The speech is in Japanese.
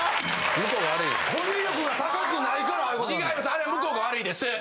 あれは向こうが悪いです。